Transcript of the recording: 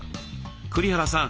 栗原さん